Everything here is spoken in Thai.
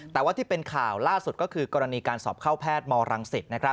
แต่ว่าที่เป็นข่าวล่าสุดก็คือกรณีการสอบเข้าแพทย์มรังสิต